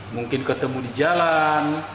mungkin ketemu di jalan